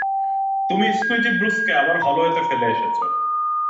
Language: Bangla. তুমি স্কুইজি ব্রুসকে আবার হলওয়েতে ফেলে এসেছ।